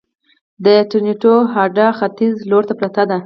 د ټرېنونو هډه ختیځ لور ته پرته ده